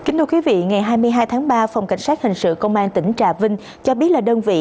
ngày hai mươi hai tháng ba phòng cảnh sát hình sự công an tỉnh trà vinh cho biết là đơn vị